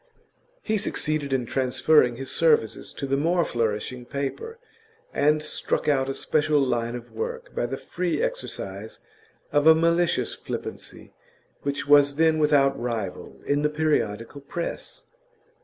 He succeeded in transferring his services to the more flourishing paper, and struck out a special line of work by the free exercise of a malicious flippancy which was then without rival in the periodical press.